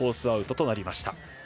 アウトとなりました。